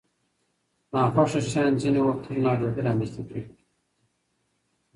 ناخوښه شیان ځینې وختونه ناروغۍ رامنځته کوي.